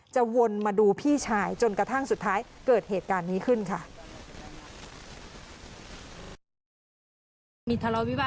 วนมาดูพี่ชายจนกระทั่งสุดท้ายเกิดเหตุการณ์นี้ขึ้นค่ะ